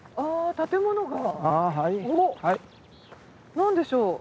何でしょう？